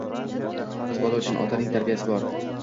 Qiz bola uchun otaning tarbiyasi bor.